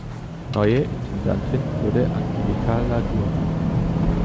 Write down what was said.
Neue Intendantin wurde Angelica Ladurner.